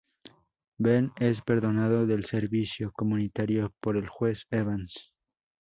Ben es perdonado del servicio comunitario por el juez Evans.